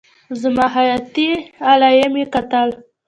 زما حياتي علايم يې کتل.